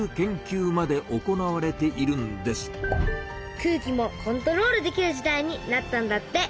空気もコントロールできる時代になったんだって。